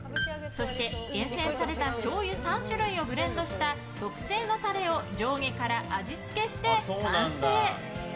そして、厳選されたしょうゆ３種類をブレンドした特製のタレを上下から味付けして完成。